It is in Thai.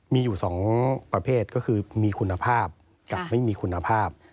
มีอยู่๒ประเภทก็คือมีคุณภาพกับไม่มีคุณภาพ